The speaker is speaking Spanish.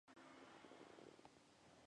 Por un lado, hizo comentarios antisemitas.